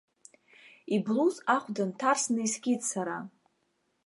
Иблуз ахәда нҭарсны искит сара.